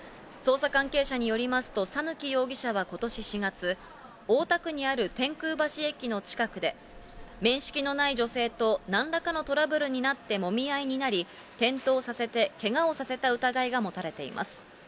捜査関係者によりますと、讃岐容疑者はことし４月、大田区にある天空橋駅近くで、面識のない女性となんらかのトラブルになってもみ合いになり、転倒させてけがをさせた疑いが持たれています。